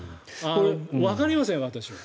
わかりません、私は。